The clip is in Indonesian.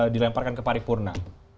dilemparkan ke pari purna